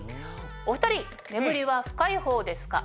お２人眠りは深いほうですか？